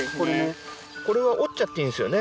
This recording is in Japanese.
これは折っちゃっていいんですよね？